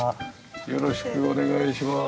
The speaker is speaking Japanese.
よろしくお願いします。